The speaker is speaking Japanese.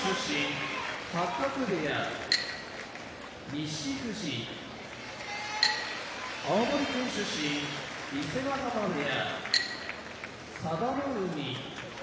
八角部屋錦富士青森県出身伊勢ヶ濱部屋佐田の海